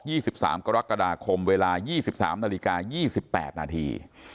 สิบสามกรกฎาคมเวลายี่สิบสามนาฬิกายี่สิบแปดนาที